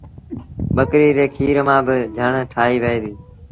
ٻڪريٚ ري کير مآݩ با جھڻ ٺآهيٚ وهي ديٚ۔